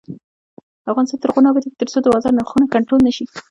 افغانستان تر هغو نه ابادیږي، ترڅو د بازار نرخونه کنټرول نشي.